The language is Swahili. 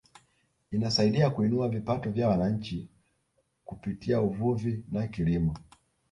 Inasaidia kuinua vipato vya wananchi kupitia uvuvi na kilimo